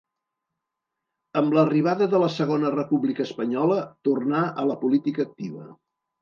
Amb l'arribada de la Segona República Espanyola tornà a la política activa.